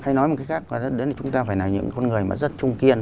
hay nói một cách khác là chúng ta phải là những người mà rất trung kiên